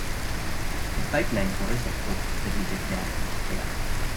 El pipeline por defecto permite crear y desplegar.